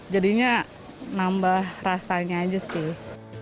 jadinya nambah rasanya aja sih